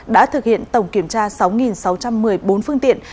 đã thực hiện tổng kiểm tra sáu sáu trăm một mươi bốn phương tiện